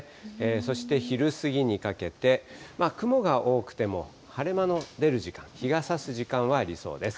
そして昼過ぎにかけて、雲が多くても、、晴れ間の出る時間、日がさす時間はありそうです。